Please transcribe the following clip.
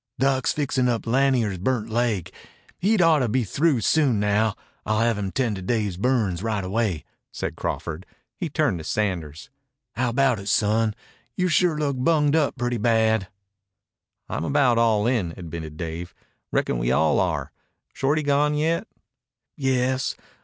"Doc's fixin' up Lanier's burnt laig. He'd oughtta be through soon now. I'll have him 'tend to Dave's burns right away then," said Crawford. He turned to Sanders. "How about it, son? You sure look bunged up pretty bad." "I'm about all in," admitted Dave. "Reckon we all are. Shorty gone yet?" "Yes.